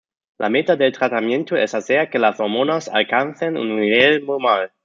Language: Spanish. La meta del tratamiento es hacer que las hormonas alcancen un nivel normal.